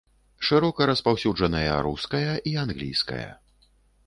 Шырока распаўсюджаныя руская і англійская.